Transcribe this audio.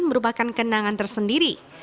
merupakan kenangan tersendiri